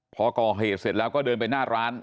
พอก่อเหตุเสร็จแล้วก็เดินไปหน้าร้าน